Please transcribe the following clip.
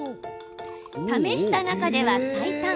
試した中では、最短。